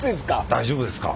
大丈夫ですか？